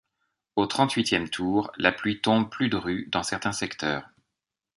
Au trente-huitième tour, la pluie tombe plus drue dans certains secteurs.